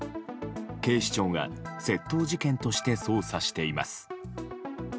警視庁が窃盗事件として捜査しています。